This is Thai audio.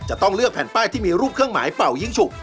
จะต้องเลือกแผ่นป้ายที่มีรูปเครื่องหมายเป่ายิ้งฉุก